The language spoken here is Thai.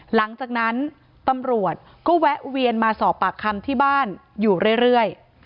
หลังจากนั้นตำรวจก็แวะเวียนมาสอบปากคำที่บ้านอยู่เรื่อย